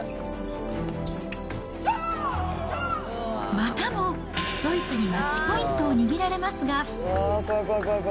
またもドイツにマッチポイントを握られますが。